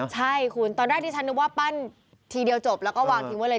ใช่คุณตอนแรกที่ฉันนึกว่าปั้นทีเดียวจบแล้วก็วางทิ้งไว้เลย